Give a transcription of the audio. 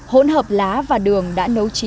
hỗn hợp lá và đường đã nấu chín